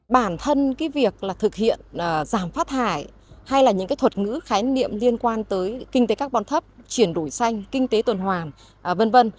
bản thân việc thực hiện giảm phá thải hay những thuật ngữ khái niệm liên quan tới kinh tế carbon thấp chuyển đổi xanh kinh tế tuần hoàn v v